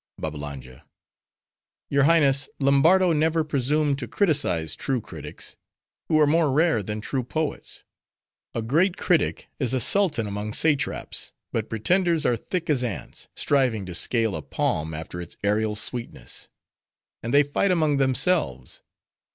BABBALANGA—Your Highness, Lombardo never presumed to criticise true critics; who are more rare than true poets. A great critic is a sultan among satraps; but pretenders are thick as ants, striving to scale a palm, after its aerial sweetness. And they fight among themselves.